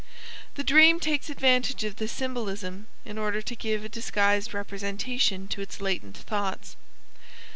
The dream takes advantage of this symbolism in order to give a disguised representation to its latent thoughts.